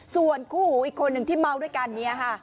ส่วนคู่หูอีกคนหนึ่งที่เมาด้วยกันเนี่ยค่ะ